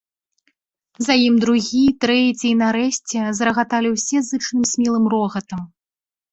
За ім другі, трэці, і нарэшце зарагаталі ўсе зычным смелым рогатам.